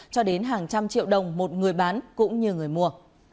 cho đến hàng trăm triệu đồng một người bán cũng như người mua